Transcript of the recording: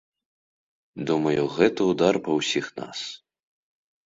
Думаю, гэта ўдар па ўсіх нас.